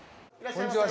こんにちは。